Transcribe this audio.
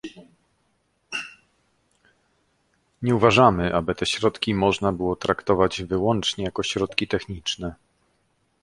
Nie uważamy, aby te środki można było traktować wyłącznie jako środki techniczne